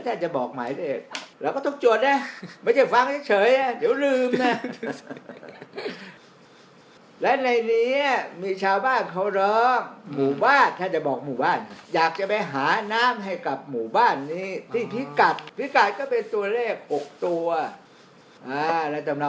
สักเที่ยงครึ่งคือสักเที่ยงครึ่งคือสักเที่ยงครึ่งคือสักเที่ยงครึ่งคือสักเที่ยงครึ่งคือสักเที่ยงครึ่งคือสักเที่ยงครึ่งคือสักเที่ยงครึ่งคือสักเที่ยงครึ่งคือสักเที่ยงครึ่งคือสักเที่ยงครึ่งคือสักเที่ยงครึ่งคือสักเที่ยงครึ่งคือสักเที่ยงครึ่งคือสักเที่ยงครึ่